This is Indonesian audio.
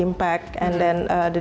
itu berlaku dengan rendah